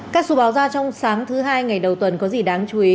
các số báo ra trong sáng thứ hai ngày đầu tuần có gì đáng chú ý